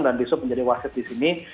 dan di sub menjadi wasit di sini